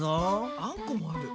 あんこもある。